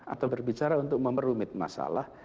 atau berbicara untuk memerumit masalah